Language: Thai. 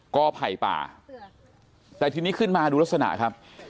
อภัยป่าแต่ทีนี้ขึ้นมาดูลักษณะครับ